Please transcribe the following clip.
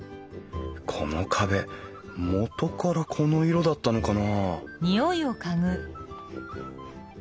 この壁元からこの色だったのかな？